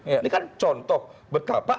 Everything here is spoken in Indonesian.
ini kan contoh berapa